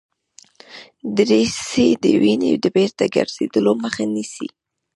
دریڅې د وینې د بیرته ګرځیدلو مخه نیسي.